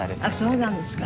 そうなんですか。